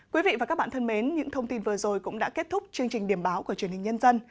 quý vị và các bạn thân mến những thông tin vừa rồi cũng đã kết thúc chương trình điểm báo của truyền hình nhân dân